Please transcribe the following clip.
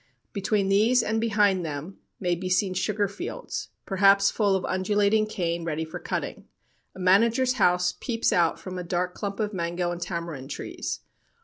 Between these and behind them may be seen sugar fields, perhaps full of undulating cane ready for cutting. A manager's house peeps out from a dark clump of mango and tamarind trees.